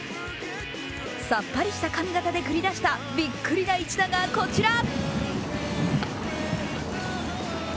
さっぱりした髪形で繰り出したびっくりな一打がこちら。